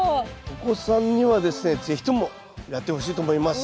お子さんにはですね是非ともやってほしいと思います。